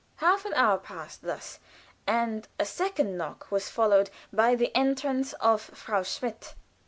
Half an hour passed thus, and a second knock was followed by the entrance of Frau Schmidt.